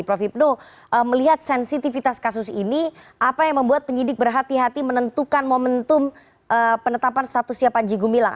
prof hipnu melihat sensitivitas kasus ini apa yang membuat penyidik berhati hati menentukan momentum penetapan statusnya panji gumilang